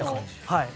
はい。